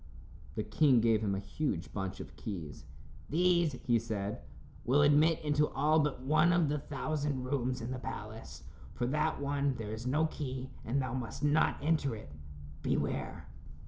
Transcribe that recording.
The king gave him a huge bunch of keys. "These," he said, "will admit into all but one of the thousand rooms in the palace. For that one there is no key, and thou must not enter it. Beware."